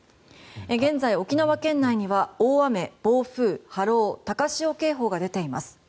現在沖縄県内には大雨・暴風波浪・高潮警報が出ています。